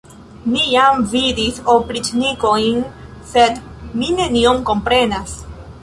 Mi jam vidis opriĉnikojn, sed mi nenion komprenas.